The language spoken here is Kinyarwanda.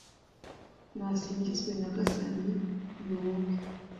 nasingizwe nyagasani, ni wowe